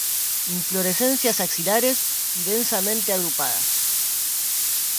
Inflorescencias axilares y densamente agrupadas.